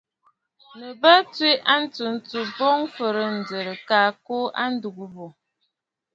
Nɨ bə tswe a ntsǔǹtsù boŋ fɨ̀rɨ̂ŋə̀rə̀ àa kɔʼɔ a ndùgə bù.